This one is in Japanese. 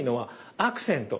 アクセント。